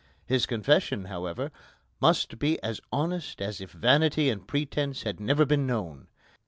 His confession, however, must be as honest as if vanity and pretence had never been known.